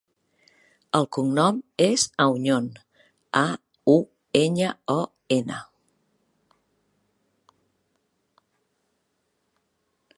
El cognom és Auñon: a, u, enya, o, ena.